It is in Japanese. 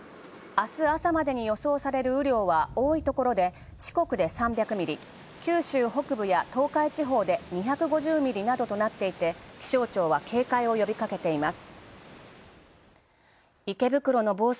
明日朝までに予想される雨量は多いところで四国で３００ミリ、東海地方で２５０ミリなどとなっていて気象庁は警戒を呼びかけています。